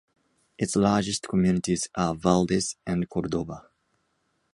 Its largest communities are Valdez and Cordova.